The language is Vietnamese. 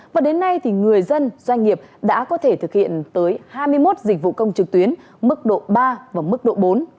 và đến nay thì người dân doanh nghiệp đã có thể thực hiện tới hai mươi một dịch vụ công trực tuyến mức độ ba và mức độ bốn